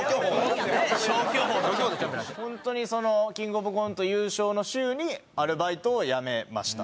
本当にキングオブコント優勝の週にアルバイトを辞めました。